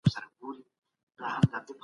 ظلم هیڅکله نه پاته کېږي.